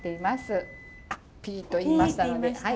ピーといいましたのではい。